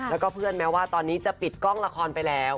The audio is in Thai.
แล้วก็เพื่อนแม้ว่าตอนนี้จะปิดกล้องละครไปแล้ว